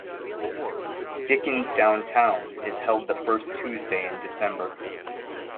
Dickens Downtown is held the first Tuesday in December.